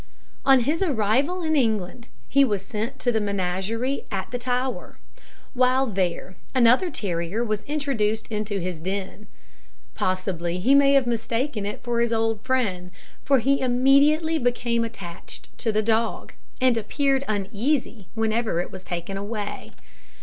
On his arrival in England, he was sent to the menagerie at the Tower. While there, another terrier was introduced into his den. Possibly he may have mistaken it for his old friend, for he immediately became attached to the dog, and appeared uneasy whenever it was taken away.